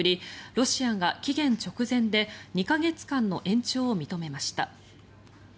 ロシアが期限直前で２か月間の延長を認めました。